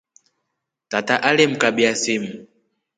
Tata alemkabya simu.